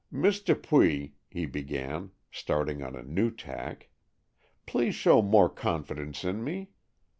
"Miss Dupuy," he began, starting on a new tack, "please show more confidence in me.